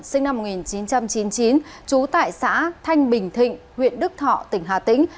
sinh năm một nghìn chín trăm chín mươi chín trú tại xã thanh bình thịnh huyện đức thọ tỉnh hà tĩnh